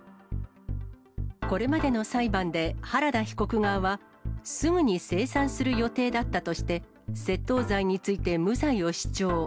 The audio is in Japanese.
これまでの裁判で、原田被告側は、すぐに精算する予定だったとして、窃盗罪について無罪を主張。